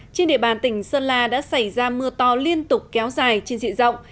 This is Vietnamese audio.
trên địa bàn tỉnh sơn la đã xảy ra mưa to liên tục kéo dài trên dịa rộng